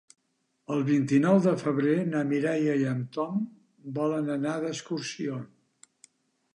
El vint-i-nou de febrer na Mireia i en Tom volen anar d'excursió.